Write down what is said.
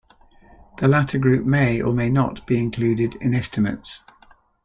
The latter group may or may not be included in estimates.